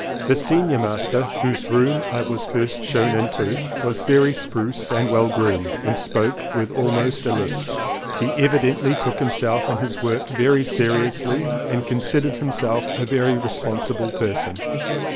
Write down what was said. The senior master, whose room I first was shown into, was very spruce and well groomed and spoke with almost a lisp. He evidently took himself and his work very seriously and considered himself a very responsible person.